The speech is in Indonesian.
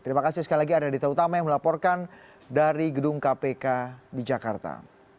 terima kasih sekali lagi ada dita utama yang melaporkan dari gedung kpk di jakarta